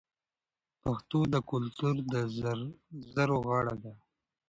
پښتو د کلتور د زرو غاړه ده.